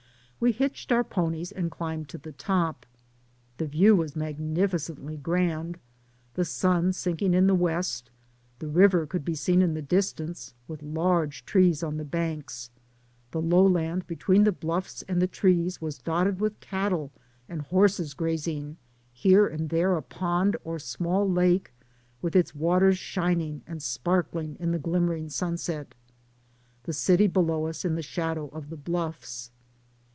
We hitched our DAYS ON THE ROAD. 55 ponies and climbed to the top. The view was magnificently grand, the sun sinking in the west, the river could be seen in the dis tance, with large trees on the banks, the low land between the bluffs and the trees was dotted with cattle and horses grazing, here and there a pond or small lake with its wa ters shining and sparkling in the glimmer ing sunset, the city below us in the shadow of the bluffs.